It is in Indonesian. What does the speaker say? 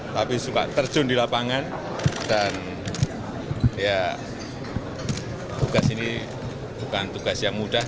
tapi suka terjun di lapangan dan ya tugas ini bukan tugas yang mudah